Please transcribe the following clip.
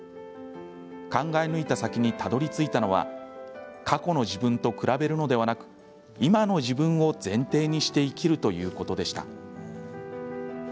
考え抜いた先にたどりついたのは過去の自分と比べるのではなく今の自分を前提にして生きるということでした。